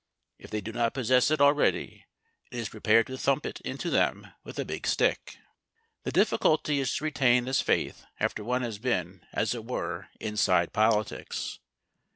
If they do not possess it already it is prepared to thump it into them with a big stick. The difficulty is to retain this faith after one has been, as it were, inside politics.